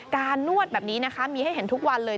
นวดแบบนี้นะคะมีให้เห็นทุกวันเลย